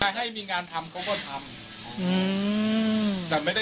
ให้มีงานทำเขาก็ทำ